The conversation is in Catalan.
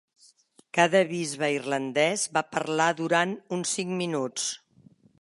Cada bisbe irlandès va parlar durant uns cinc minuts.